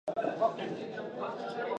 دا ونډه د ټولنې باور او یووالی غښتلی کوي.